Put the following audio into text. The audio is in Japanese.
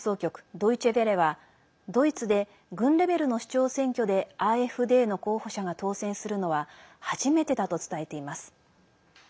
ドイチェ・ヴェレはドイツで郡レベルの首長選挙でＡｆＤの候補者が当選するのは初めてだと伝えています。